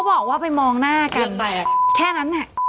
โห้ยสงสารอ่ะ